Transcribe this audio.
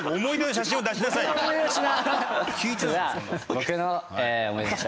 僕の思い出の品